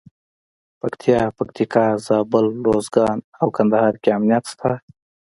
پکتیا، پکتیکا، زابل، روزګان او کندهار کې امنیت شته.